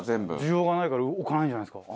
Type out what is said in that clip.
需要がないから置かないんじゃないですか？